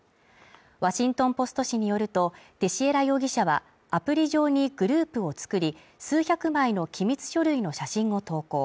「ワシントン・ポスト」紙によるとテシエラ容疑者は、アプリ上にグループを作り、数百枚の機密書類の写真を投稿。